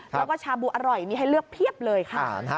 แล้วก็ชาบูอร่อยมีให้เลือกเพียบเลยค่ะ